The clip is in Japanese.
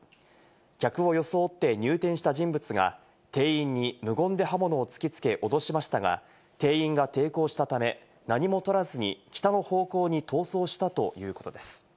客を装って入店した人物が店員に無言で刃物を突きつけ、脅しましたが、店員が抵抗したため、何も取らずに、北の方向に逃走したということです。